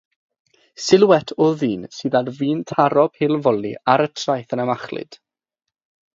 Silwét o ddyn sydd ar fin taro pêl-foli ar y traeth yn y machlud.